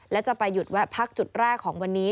และจะไปหยุดแวะพักจุดแรกของวันนี้